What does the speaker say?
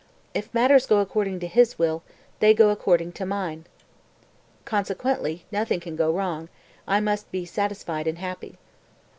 If matters go according to His will they go according to mine; consequently nothing can go wrong, I must be satisfied and happy."